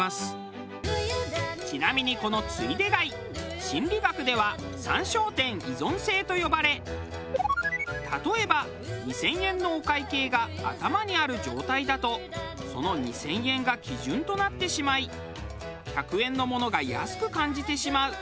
ちなみにこのついで買い心理学では参照点依存性と呼ばれ例えば２０００円のお会計が頭にある状態だとその２０００円が基準となってしまい１００円のものが安く感じてしまう。